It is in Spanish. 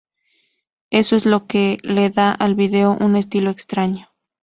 Eso es lo que le da al video un estilo extraño"".